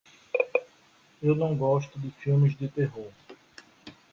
Eu não gosto de filmes de terror.